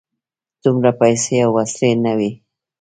دومره پیسې او وسلې نه وې.